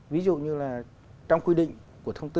ví dụ như là trong quy định của thông tư